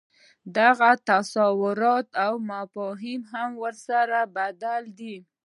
دغه تصورات او مفاهیم هم ورسره بدل دي.